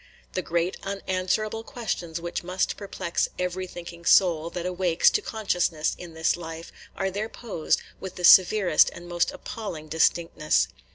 The great unanswerable questions which must perplex every thinking soul that awakes to consciousness in this life are there posed with the severest and most appalling distinctness.